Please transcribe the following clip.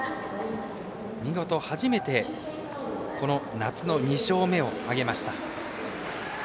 見事初めてこの夏の２勝目を挙げました。